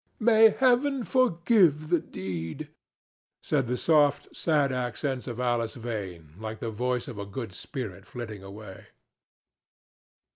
"May Heaven forgive the deed!" said the soft, sad accents of Alice Vane, like the voice of a good spirit flitting away.